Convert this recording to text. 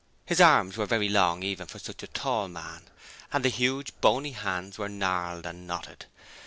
His arms were very long even for such a tall man, and the huge, bony hands were gnarled and knotted.